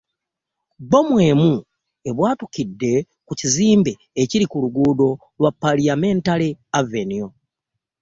Bbomu emu ebwatukidde ku kizimbe ekiri ku luguudo lwa Parliamentary avenue